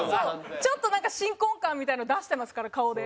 ちょっとなんか新婚感みたいなの出してますから顔で。